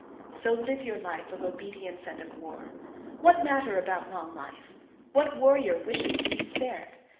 So live your life of obedience and of war! What matter about long life! What warrior wisheth to be spared!